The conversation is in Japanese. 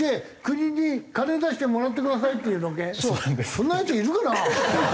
そんなヤツいるかな？